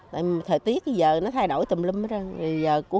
tại thời tiết bây giờ nó thay đổi tùm lum ra bây giờ cũng không biết nữa